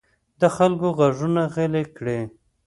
د خلکو غږونه غلي کړي.